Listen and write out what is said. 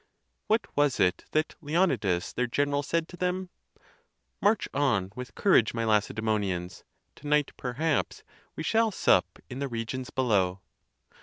What was it that Leonidas, their general, said to them? * March on with courage, my Lacedemonians. To night, perhaps, we shall sup in the regions below."